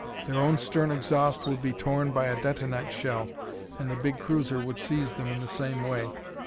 Their own stern exhaust would be torn by a detonite shell, and the big cruiser would seize them in the same way.